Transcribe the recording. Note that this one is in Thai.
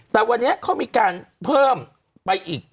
แต่วันนี้เขามีการเพิ่มไปอีก